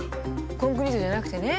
コンクリートじゃなくてね。